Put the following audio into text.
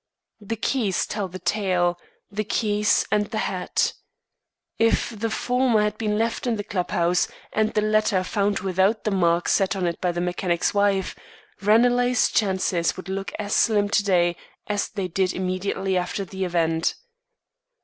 The keys tell the tale the keys and the hat. If the former had been left in the club house and the latter found without the mark set on it by the mechanic's wife, Ranelagh's chances would look as slim to day as they did immediately after the event.